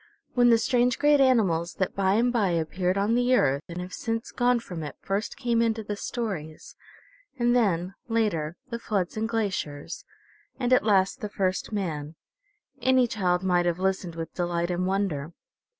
When the strange, great animals that by and by appeared on the Earth and have since gone from it first came into the stories, and then, later, the floods and glaciers, and at last the first man, any child might have listened with delight and wonder.